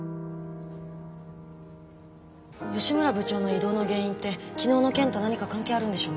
吉村部長の異動の原因って昨日の件と何か関係あるんでしょうか。